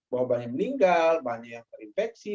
bahwa banyak yang meninggal banyak yang terinfeksi